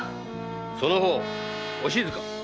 その方お静か？